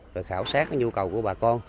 rồi khảo sát nhu cầu của bà con